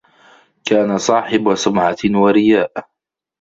كَانَ صَاحِبَ سُمْعَةٍ وَرِيَاءٍ